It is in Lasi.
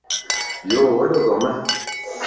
يو وڏو ڪم ا